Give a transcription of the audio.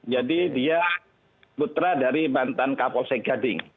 jadi dia putra dari mantan kapolsek gading